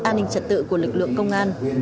an ninh trật tự của lực lượng công an